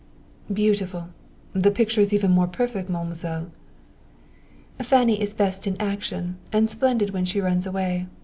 "Beautiful! The picture is even more perfect, Mademoiselle!" "Fanny is best in action, and splendid when she runs away.